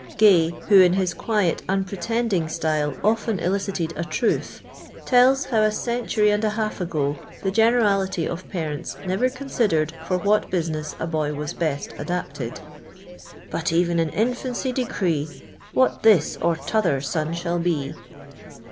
(lay, who in his quiet, unpretending style often elicited a truth, tells how a century and a half ago the generality of parents never con&i dered for what business a boy was best adapted —*• Biit e\'n in infancy decree What this or t'other son shall be."